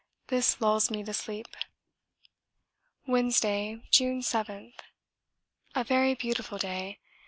This lulls me to sleep! Wednesday, June 7. A very beautiful day.